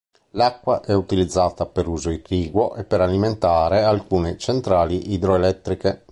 L'acqua è utilizzata per uso irriguo e per alimentare alcune centrali idroelettriche.